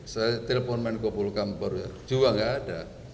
saya telpon menko bulukamper juga tidak ada